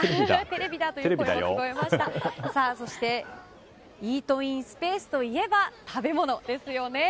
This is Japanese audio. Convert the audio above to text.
そしてイートインスペースといえば食べ物ですよね。